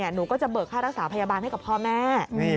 หนูก็จะเบิกค่ารักษาพยาบาลให้กับพ่อแม่